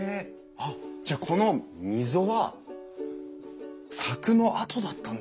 あっじゃあこの溝は柵の跡だったんですかね。